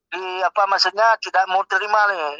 di apa maksudnya tidak mau terima nih